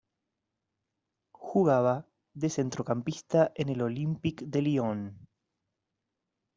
Jugaba de centrocampista en el Olympique de Lyon.